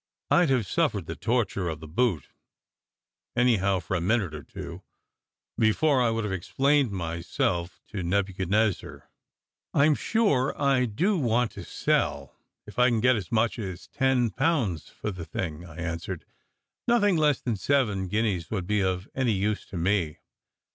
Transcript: I d have suffered the torture of the boot (anyhow, for a minute or two) before I would have explained myself to Nebuchadnezzar. "I m sure I do want to sell, if I can get as much as ten pounds for the thing," I answered. "Nothing less than seven guineas would be of any use to me.